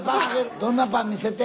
どんなパン？見せて！